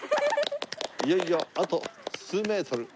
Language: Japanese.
いよいよあと数メートル。